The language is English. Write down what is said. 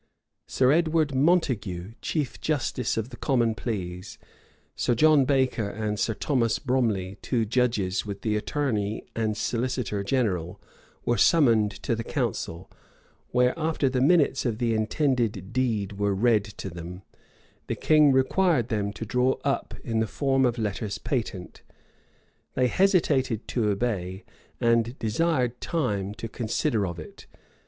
Sir Edward Montague, chief justice of the common pleas, Sir John Baker and Sir Thomas Bromley, two judges, with the attorney and solicitor general, were summoned to the council, where, after the minutes of the intended deed were read to them, the king required them to draw them up in the form of letters patent. They hesitated to obey, and desired time to consider of it.